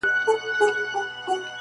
چي مو ښارته ده راغلې یوه ښکلې٫